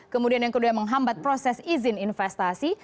kemudian yang kedua menghambat proses izin investasi